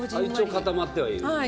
一応固まってはいる？